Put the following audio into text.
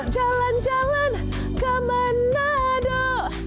jalan jalan ke manado